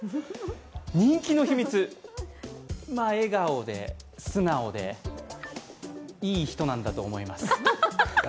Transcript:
人気の秘密、笑顔で素直でいい人なんだと思います。